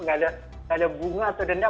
nggak ada bunga atau denda